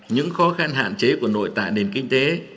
những khó khăn hạn chế của nội tạng đền kinh tế